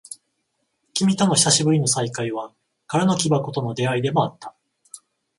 君との久しぶりの再会は、空の木箱との出会いでもあった。